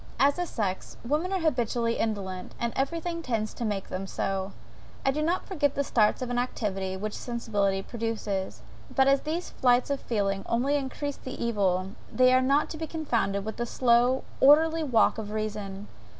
As a sex, women are habitually indolent; and every thing tends to make them so. I do not forget the starts of activity which sensibility produces; but as these flights of feeling only increase the evil, they are not to be confounded with the slow, orderly walk of reason.